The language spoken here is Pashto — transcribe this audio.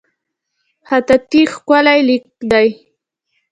خطاطي ښکلی لیکل دي